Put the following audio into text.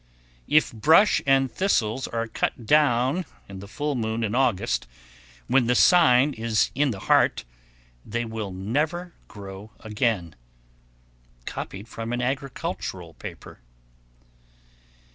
_ 1117. If brush and thistles are cut down in the full moon in August when the sign is in the heart, they will never grow again. _Copied from an agricultural paper.